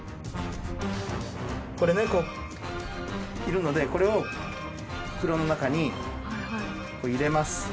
これねこういるのでこれを袋の中に入れます。